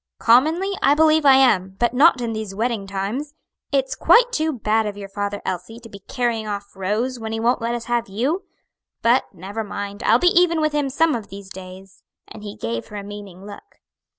"Commonly, I believe I am, but not in these wedding times. It's quite too bad of your father, Elsie, to be carrying off Rose, when he won't let us have you. But never mind, I'll be even with him some of these days;" and he gave her a meaning look.